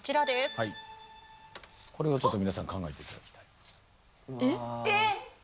はいこれをちょっと皆さん考えていただきたいうわえっ？